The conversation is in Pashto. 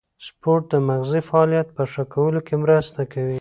سپورت د مغزي فعالیت په ښه کولو کې مرسته کوي.